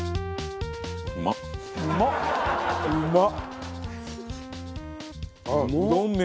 うまっ！